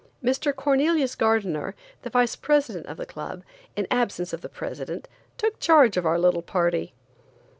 Mr. Cornelius Gardener, the vice president of the club, in the absence of the president, took charge of our little party.